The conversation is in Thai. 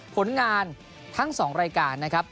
ผลงานทั้ง๒รายการนะครับ